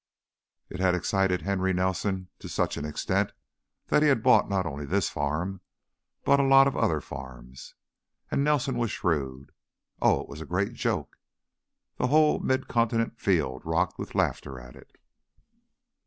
It had excited Henry Nelson to such an extent that he had bought not only this farm, but a lot of other farms. And Nelson was shrewd. Oh, it was a great joke! The whole mid continent field rocked with laughter at it.